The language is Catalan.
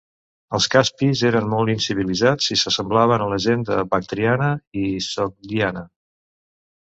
Els caspis eren molt incivilitzats i s'assemblaven a la gent de Bactriana i Sogdiana.